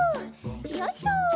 よいしょ。